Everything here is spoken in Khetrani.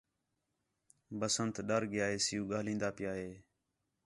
بسنت ڈر ڳِیا ہِے سِیُو ڳاہلین٘دا پِیا ہِے